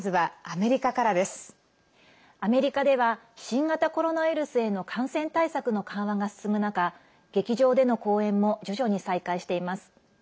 アメリカでは新型コロナウイルスへの感染対策の緩和が進む中劇場での公演も徐々に再開しています。